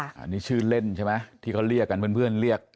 อันนี้ชื่อเล่นใช่ไหมที่เขาเรียกกันเพื่อนเรียก